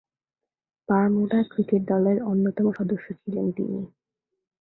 Bermuda cricket দলের অন্যতম সদস্য ছিলেন তিনি।